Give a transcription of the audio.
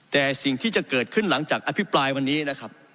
แต่สิ่งที่จะเกิดขึ้นหลังจากอภิปรายวันนี้นะครับ